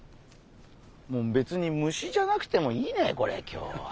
もう別に虫じゃなくてもいいねこれ今日は。